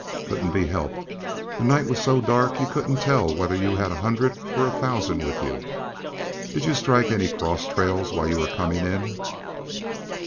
"Couldn't be helped. The night was so dark you couldn't tell whether you had a hundred or a thousand with you. Did you strike any cross trails while you were coming in!"